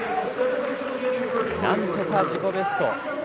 なんとか、自己ベスト